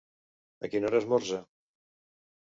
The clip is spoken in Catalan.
A quina hora esmorza?